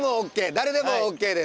誰でもＯＫです！